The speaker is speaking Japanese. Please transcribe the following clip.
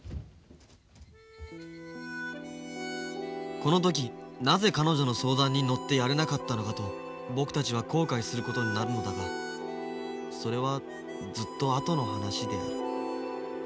この時なぜ彼女の相談に乗ってやれなかったのかと僕たちは後悔することになるのだがそれはずっとあとの話である。